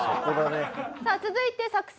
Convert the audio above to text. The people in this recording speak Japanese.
さあ続いて作戦